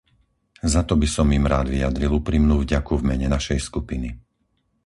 Za to by som im rád vyjadril úprimnú vďaku v mene našej skupiny.